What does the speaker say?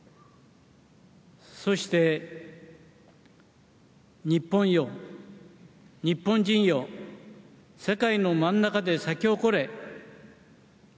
そして、日本よ、日本人よ世界の真ん中で咲き誇れ。